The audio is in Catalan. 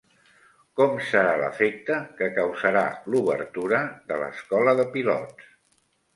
Com serà l'efecte que causarà l'obertura de l'escola de pilots?